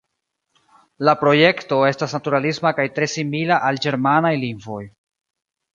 La projekto estas naturalisma kaj tre simila al ĝermanaj lingvoj.